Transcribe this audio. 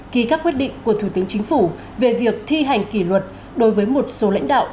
ký các quyết định của thủ tướng chính phủ về việc thi hành kỷ luật đối với một số lãnh đạo